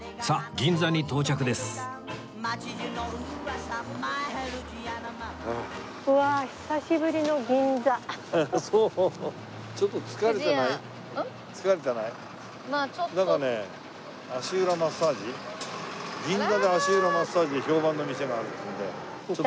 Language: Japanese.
銀座で足裏マッサージで評判の店があるっていうんで。